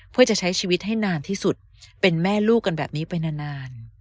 เพื่อจะใช้ชีวิตให้นานที่สุดเป็นแม่ลูกกันแบบนี้ไปนาน